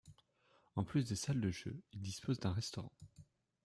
En plus des salles de jeux, il dispose d'un restaurant.